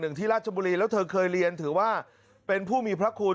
ที่ราชบุรีแล้วเธอเคยเรียนถือว่าเป็นผู้มีพระคุณ